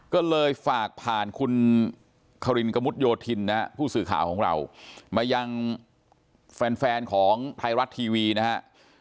ก็เลยฝากผ่านคุณคารินกระมุดโยธินนะฮะผู้สื่อข่าวของเรามายังแฟนของไทยรัฐทีวีนะฮะ